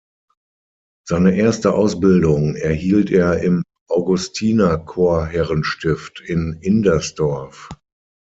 Seine erste Ausbildung erhielt er im Augustinerchorherrenstift in Indersdorf.